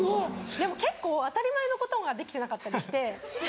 でも結構当たり前のことができてなかったりして。